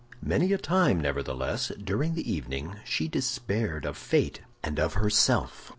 Many a time, nevertheless, during the evening she despaired of fate and of herself.